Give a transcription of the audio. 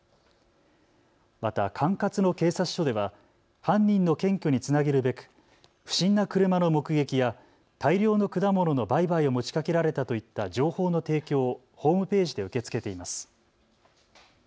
また管轄の警察署では犯人の検挙につなげるべく不審な車の目撃や大量の果物の売買を持ちかけられたといった情報の提供をホームページで受け付けています。